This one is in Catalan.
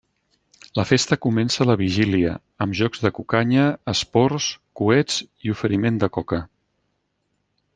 La festa comença la vigília amb jocs de cucanya, esports, coets i oferiment de coca.